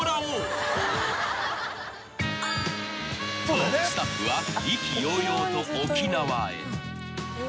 ［とスタッフは意気揚々と沖縄へ］